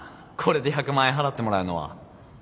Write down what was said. これで１００万円払ってもらうのは。